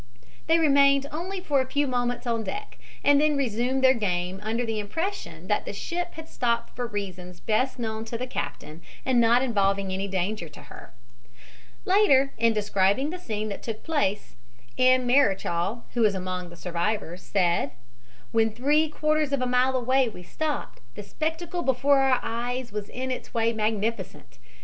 They remained only for a few moments on deck, and then resumed their game under the impression that the ship had stopped for reasons best known to the captain and not involving any danger to her. Later, in describing the scene that took place, M. Marechal, who was among the survivors, said: "When three quarters of a mile away we stopped, the spectacle before our eyes was in its way magnificent.